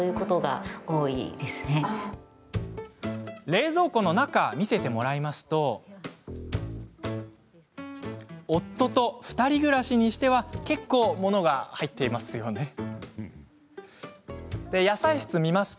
冷蔵庫の中を見せてもらうと夫と２人暮らしにしては結構、物が入っているようです。